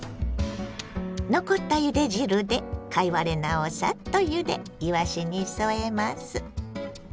残ったゆで汁で貝割れ菜をサッとゆでいわしに添えます。